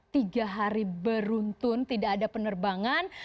tiga hari beruntun tidak ada penerbangan